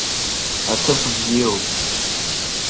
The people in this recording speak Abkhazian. Аҭыԥ бзиоуп!